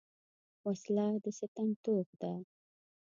وسله د ستم توغ ده